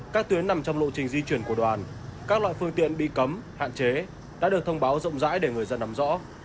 các tuyến nằm trong lộ trình di chuyển của đoàn các loại phương tiện bị cấm hạn chế đã được thông báo rộng rãi để người dân nắm rõ